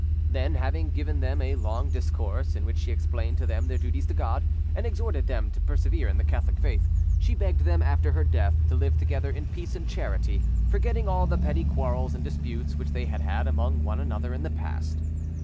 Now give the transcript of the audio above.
Then, having given them a long discourse, in which she explained to them their duties to God, and exhorted them to persevere in the Catholic faith, she begged them, after her death, to live together in peace and charity, forgetting all the petty quarrels and disputes which they had had among one another in the past.